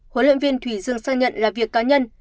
huấn luyện viên thủy dương xác nhận là việc cá nhân